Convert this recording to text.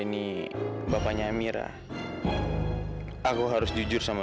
ini nama dari siapapak apa